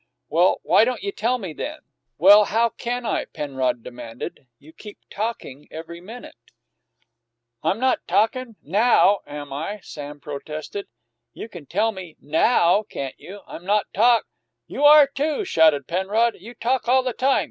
"Well, why don't you tell me, then?" "Well, how can I?" Penrod demanded. "You keep talkin' every minute." "I'm not talkin' now, am I?" Sam protested. "You can tell me now, can't you? I'm not talk " "You are, too!" shouted Penrod. "You talk all the time!